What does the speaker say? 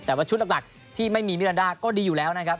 แต่ว่าชุดหลักที่ไม่มีมิรันดาก็ดีอยู่แล้วนะครับ